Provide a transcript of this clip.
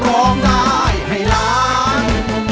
ร้องได้ให้ล้าน